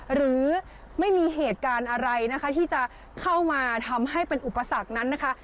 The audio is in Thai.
หรือไม่มีเหตุการณ์อะไรนะคะที่จะเข้ามาทำให้เป็นอุปสรรคนั้นนะคะ